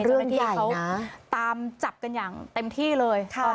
เรื่องใหญ่น่ะตามจับกันอย่างเต็มที่เลยค่ะ